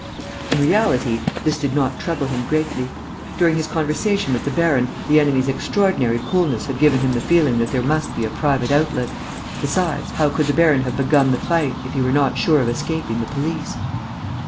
In reality, this did not trouble him greatly. During his conversation with the baron, the enemy's extraordinary coolness had given him the feeling that there must be a private outlet. Besides, how could the baron have begun the fight, if he were not sure of escaping the police?